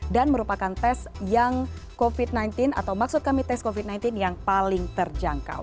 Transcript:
dan merupakan tes yang covid sembilan belas atau maksud kami tes covid sembilan belas yang paling terjangkau